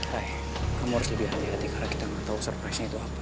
rai kamu harus lebih hati hati karena kita gak tau surprise nya itu apa